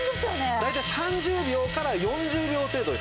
大体３０秒から４０秒程度で。